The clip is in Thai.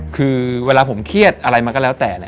คือเวลาผมเครียดอะไรมาก็แล้วแต่